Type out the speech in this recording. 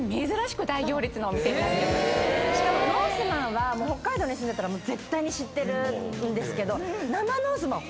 ノースマンは北海道住んでたら絶対に知ってるんですけど。